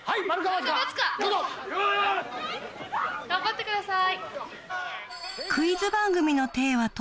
・頑張ってください